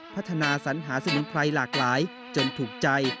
พัฒนาสัญหาสมุนไพรหลากหลายจนถูกใจ